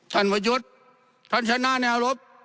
ท่านประยุทธท่านชนะแนวรบ